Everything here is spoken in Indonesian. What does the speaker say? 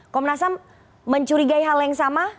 komnasam mencurigai hal yang sama